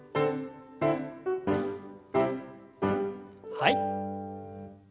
はい。